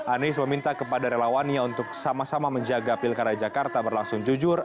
anies meminta kepada relawannya untuk sama sama menjaga pilkada jakarta berlangsung jujur